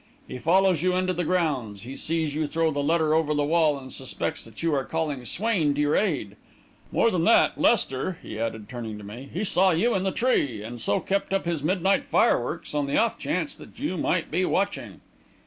He follows you into the grounds, he sees you throw the letter over the wall, and suspects that you are calling Swain to your aid. More than that, Lester," he added, turning to me, "he saw you in the tree, and so kept up his midnight fire works, on the off chance that you might be watching!"